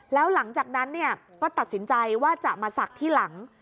แล้วหลังจากนั้นก็ตัดสินใจว่าจะมาศักดิ์ที่หลัง